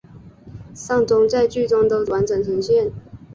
丧钟等在剧中都完整呈现。